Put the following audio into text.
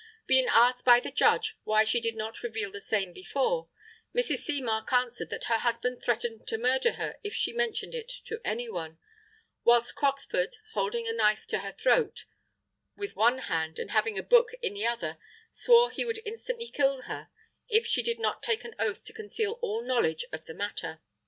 Being asked by the judge why she did not reveal the same before, Mrs. Seamark answered that her husband threatened to murder her if she mentioned it to anyone, whilst Croxford holding a knife to her throat with one hand and having a book in the other, swore he would instantly kill her if she did not take an oath to conceal all knowledge of the matter.